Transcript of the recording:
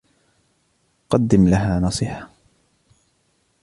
قدّم لها نصيحة.